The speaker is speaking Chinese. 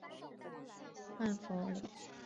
阮福澜。